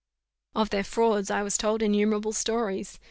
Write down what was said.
Of their frauds I was told innumerable stories.